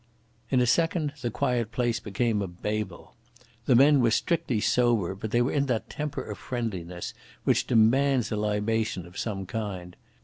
In a second the quiet place became a babel. The men were strictly sober; but they were in that temper of friendliness which demands a libation of some kind.